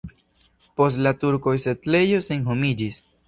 Post la turkoj la setlejo senhomiĝis.